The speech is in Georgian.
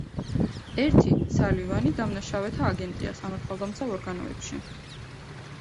ერთი, სალივანი, დამნაშავეთა აგენტია სამართალდამცავ ორგანოებში.